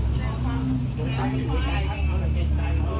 คนตบยาย